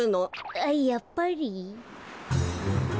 あっやっぱり。